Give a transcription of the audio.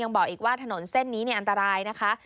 บอกอีกว่าถนนเส้นนี้อันตรายนะคะ